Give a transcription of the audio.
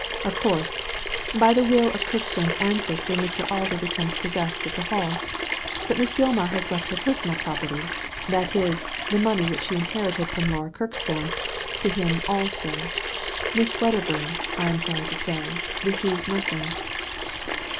Of course, by the will of Kirkstone*s ancestor Mr. Alder becomes possessed of the Hall ; but Miss Gilmar has left her personal property — that is, the money which she inherited from Laura Kirk stone — to him also. Miss Wedderbum, I am sorry to say, receives nothing."